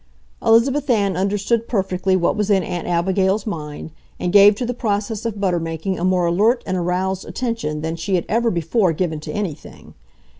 Elizabeth Ann understood perfectly what was in Aunt's Abigail's mind, and gave to the process of butter making a more alert and aroused attention than she had ever before given to anything.